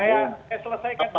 nah ya selesaikan dulu